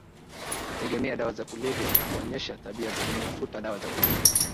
kutegemea dawa za kulevya na kuonyesha tabia za kutafuta dawa za kulevya